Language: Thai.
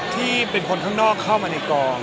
ที่เป็นคนข้างนอกเข้ามาในกอง